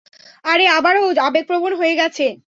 আরে, আবারও আবেগপ্রবণ হয়ে গেছে!